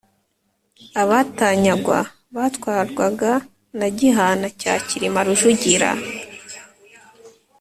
Abatanyagwa batwarwaga na Gihana cya Cyilima Rujugira